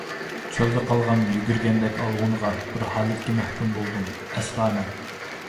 چۆلدە قالغان يۈگۈرگەندەك ئالۋۇنغا، بىر ھالەتكە مەھكۇم بولدۇم، ئەسرامەن.